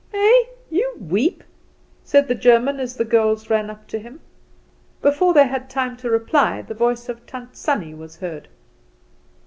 "Ei! you weep?" said the German, as the girls ran up to him. Before they had time to reply the voice of Tant Sannie was heard.